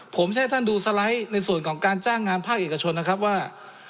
ผมจะให้ท่านดูสไลด์ในส่วนของการจ้างงานภาคเอกชนนะครับว่า